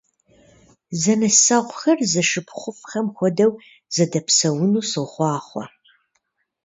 Зэнысэгъухэр зэшыпхъуфӀхэм хуэдэу зэдэпсэуну сохъуахъуэ!